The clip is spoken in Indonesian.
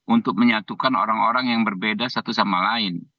untuk menyatukan orang orang yang berbeda satu sama lain